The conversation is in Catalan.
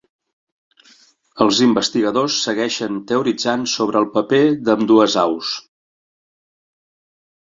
Els investigadors segueixen teoritzant sobre el paper d'ambdues aus.